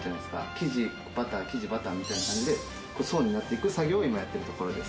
生地バター生地バターみたいな感じで層になって行く作業を今やってるところです。